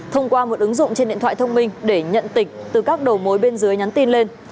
thông qua một ứng dụng trên điện thoại thông minh để nhận tịch từ các đầu mối bên dưới nhắn tin lên